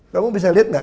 kamu bisa liat gak